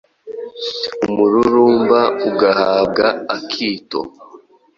umururumba ugahabwa akito